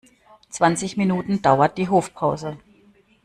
Zwanzig Minuten dauert die Hofpause.